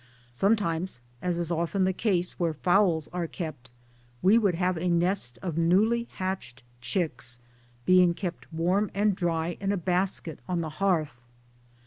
Sometimes as is often the case where fowls are kept we would have a nest of newly hatched chicks being kept warm and dry in a basket on the hearth.